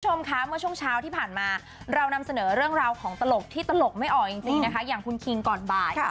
คุณผู้ชมคะเมื่อช่วงเช้าที่ผ่านมาเรานำเสนอเรื่องราวของตลกที่ตลกไม่ออกจริงนะคะอย่างคุณคิงก่อนบ่ายค่ะ